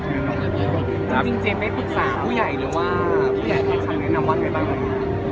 พูดถึงเครื่องหน่อย